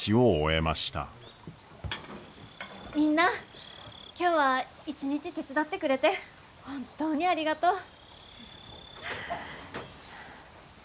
みんな今日は一日手伝ってくれて本当にありがとう！